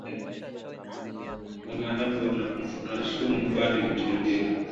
Mama yabo anakufa na sumu bali mutilia